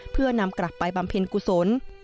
เพื่อนำกลับไปบำเพ็ญกุศล